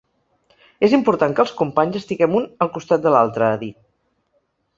És important que els companys estiguem un al costat de l’altre, ha dit.